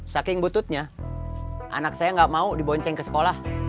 saking bututnya anak saya gak mau dibonceng ke sekolah